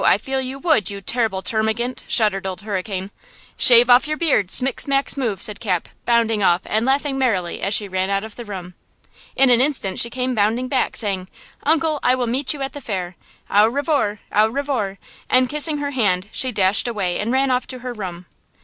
I feel you would, you terrible termagant!" shuddered Old Hurricane. "Shave your beard off smick, smack, smoove!" said Cap, bounding off and laughing merrily as she ran out of the room. In an instant she came bounding back, saying, "Uncle, I will meet you at the fair; au revoir, au revoir! " and, kissing her hand, she dashed away and ran off to her room.